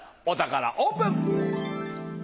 お宝オープン！